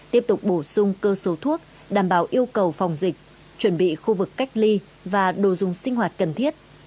tiếp tục bổ sung cơ số thuốc đảm bảo yêu cầu phòng dịch chuẩn bị khu vực cách ly và đồ dùng sinh hoạt cần thiết